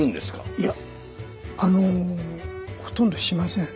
いやあのほとんどしません。